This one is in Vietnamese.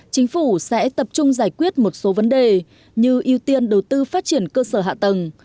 chính phủ sẽ tập trung giải quyết một số vấn đề như ưu tiên đầu tư phát triển cơ sở hạ tầng